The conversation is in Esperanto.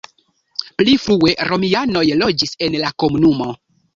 Pli frue romianoj loĝis en la komunumo.